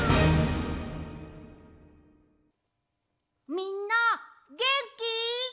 みんなげんき？